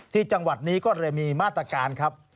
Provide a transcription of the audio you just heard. ที่จังหวัดนี้ก็เลยมีมาตรการครับ